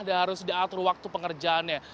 dan harus diatur waktu pengerjaannya